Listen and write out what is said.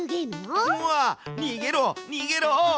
うわにげろにげろ！